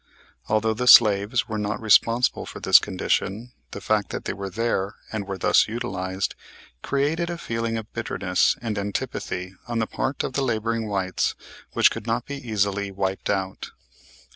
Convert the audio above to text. Although the slaves were not responsible for this condition, the fact that they were there and were thus utilized, created a feeling of bitterness and antipathy on the part of the laboring whites which could not be easily wiped out.